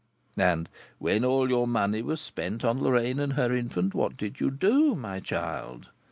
"And when all your money was spent on Lorraine and her infant, what did you do, my child?"